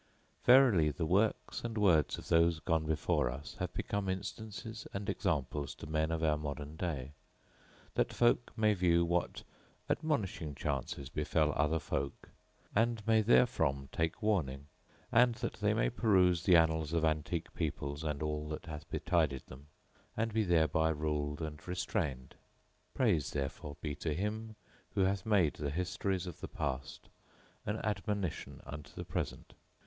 Verily the works and words of those gone before us have become instances and examples to men of our modern day, that folk may view what admonishing chances befel other folk and may therefrom take warning; and that they may peruse the annals of antique peoples and all that hath betided them, and be thereby ruled and restrained:—Praise, therefore, be to Him who hath made the histories of the Past an admonition unto the Present!